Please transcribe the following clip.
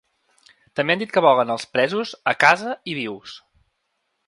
També han dit que volen els presos ‘a casa i vius’.